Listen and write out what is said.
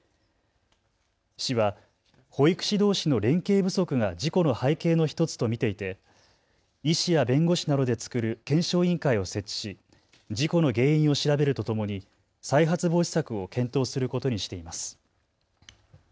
市は保育士どうしの連携不足が事故の背景の１つと見ていて医師や弁護士などで作る検証委員会を設置し事故の原因を調べるとともに再発防止策を検討することにしています。